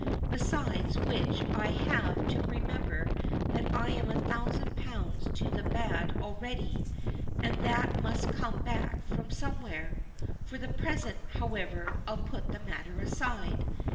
Besides which I have to remember that I am a thousand pounds to the bad already, and that must come back from somewhere. For the present, however I'll put the matter aside.